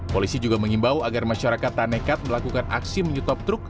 polisi juga mengimbau agar masyarakat tanekat melakukan aksi menyutup truk